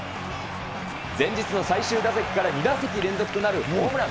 前日の最終打席から２打席連続となるホームラン。